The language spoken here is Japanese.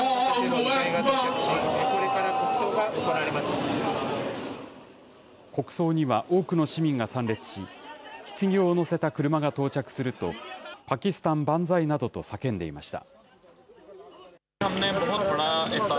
国葬には多くの市民が参列し、ひつぎを乗せた車が到着すると、パキスタン万歳などと叫んでいました。